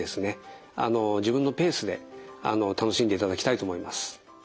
自分のペースで楽しんでいただきたいと思います。